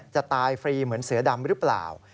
จะตายฟรีเหมือนเสือดำหรือเปล่า